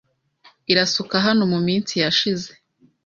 Irasuka hano muminsi yashize.